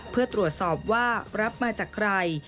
เพื่อตรวจสอบว่ารับมาจากใคร